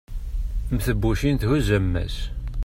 mm tebbucin thuzz ammas